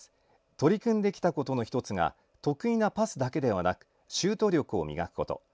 取り組んできたことの１つが得意なパスだけではなくシュート力を磨くこと。